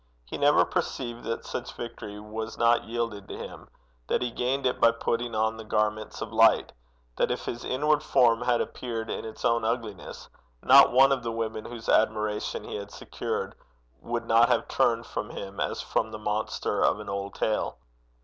He never perceived that such victory was not yielded to him; that he gained it by putting on the garments of light; that if his inward form had appeared in its own ugliness, not one of the women whose admiration he had secured would not have turned from him as from the monster of an old tale.